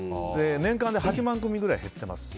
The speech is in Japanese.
年間８万組ぐらい減ってます。